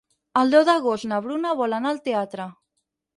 El deu d'agost na Bruna vol anar al teatre.